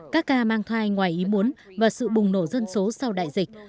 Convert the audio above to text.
các ca mang thai ngoài ý muốn và sự bùng nổ dân số sau đại dịch